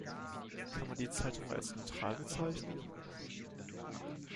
Kann man die Zeitung als neutral bezeichnen?